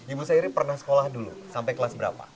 ibu sairi pernah sekolah dulu sampai kelas berapa